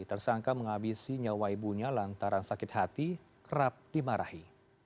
tersangka menghabisi nyawa ibunya lantaran sakit hati kerap dimarahi